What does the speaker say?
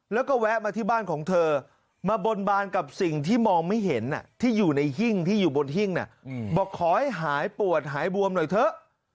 แล้วก็แวะมาที่บ้านของเธอมาบนบานกับสิ่งที่มองไม่เห็นที่อยู่ในหิ้งที่อยู่บนหิ้งบอกขอให้หายปวดหายบวมหน่อยเถอะ